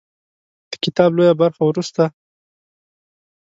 د کتاب لویه برخه وروسته